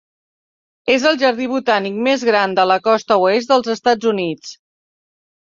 És el jardí botànic més gran de la costa oest dels Estats Units.